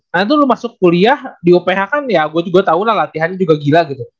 nah itu lo masuk kuliah di uph kan ya gue juga tau lah latihannya juga gila gitu